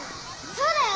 ・・そうだよ！